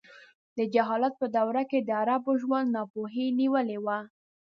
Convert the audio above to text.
د جهالت په دوره کې د عربو ژوند ناپوهۍ نیولی و.